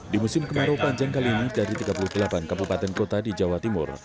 di musim kemarau panjang kali ini dari tiga puluh delapan kabupaten kota di jawa timur